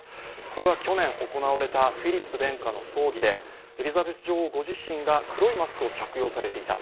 これは去年行われたフィリップ殿下の葬儀でエリザベス女王ご自身が黒いマスクを着用されていた。